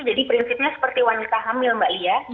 jadi prinsipnya seperti wanita hamil mbak lia